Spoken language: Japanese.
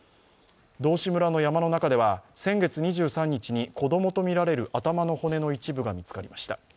道志村の山の中では先月２３日に、子供とみられる頭の骨の一部が見つかりました。